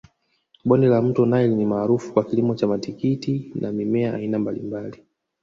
Bonde la mto naili ni maarufu kwa kilimo cha matikiti na mimea aina mbalimbali